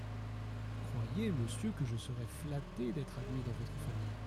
Croyez, monsieur, que je serais flatté D’être admis dans votre famille…